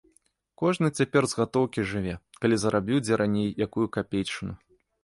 Кожны цяпер з гатоўкі жыве, калі зарабіў дзе раней якую капейчыну.